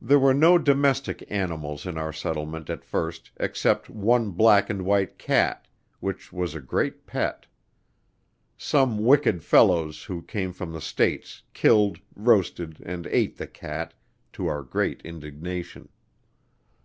There were no domestic animals in our settlement at first except one black and white cat, which was a great pet. Some wicked fellows, who came from the States, killed, roasted and ate the cat, to our great indignation.